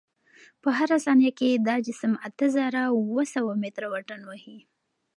په هره ثانیه کې دا جسم اته زره اوه سوه متره واټن وهي.